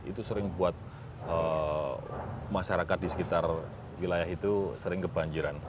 itu sering buat masyarakat di sekitar wilayah itu sering kebanjiran